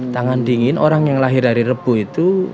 tangan dingin orang yang lahir dari rebu itu